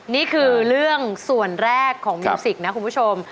นี่คือเรื่องส่วนแรกของมิวสิกนะคุณผู้ชม